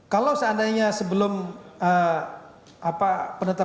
kalau seandainya sebelum eh apa penerbit